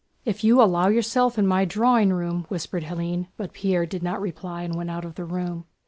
"If you allow yourself in my drawing room..." whispered Hélène, but Pierre did not reply and went out of the room.